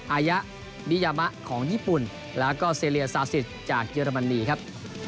อายะบิยามะของญี่ปุ่นแล้วก็เซเลียซาซิสจากเยอรมนีครับ